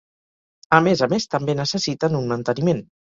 A més a més també necessiten un manteniment.